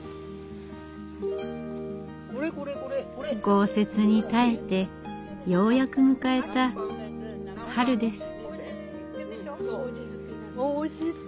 豪雪に耐えてようやく迎えた春です。